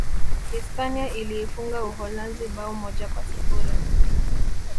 Hispania iliifunga Uholanzi bao moja kwa sifuri